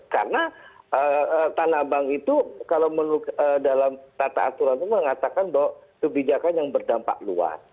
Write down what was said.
karena tanah abang itu kalau menurut dalam tata aturan itu mengatakan bahwa itu bidakan yang berdampak luas